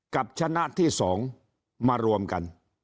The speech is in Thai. กับชนะที่๒มารวมกัน